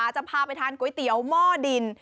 จะพาไปทานก๋วยเตี๋ยวหม้อดิน